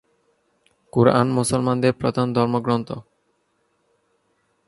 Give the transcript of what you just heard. কুরআন মুসলমানদের প্রধান ধর্মগ্রন্থ।